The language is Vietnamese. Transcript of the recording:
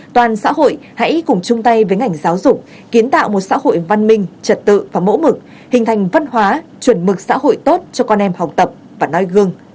toàn xã hội hãy cùng chung tay với ngành giáo dục kiến tạo một xã hội văn minh trật tự và mẫu mực hình thành văn hóa chuẩn mực xã hội tốt cho con em học tập và nói gương